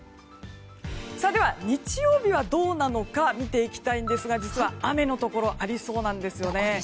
では日曜日はどうなのか見ていきたいんですが実は雨のところありそうです。